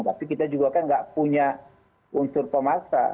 tapi kita juga kan nggak punya unsur pemaksa